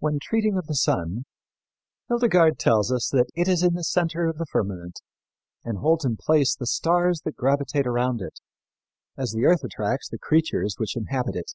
When treating of the sun, Hildegard tells us that it is in the center of the firmament and holds in place the stars that gravitate around it, as the earth attracts the creatures which inhabit it.